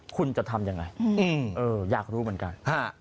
คุณจะทำยังไงอยากรู้เหมือนกัน